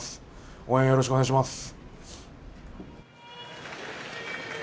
応援よろしくお願いします。